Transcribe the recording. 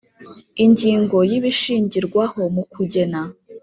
Ingingo ya ibishingirwaho mu kugena